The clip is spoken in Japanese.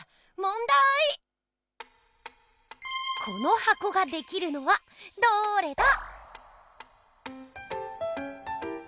このはこができるのはどれだ？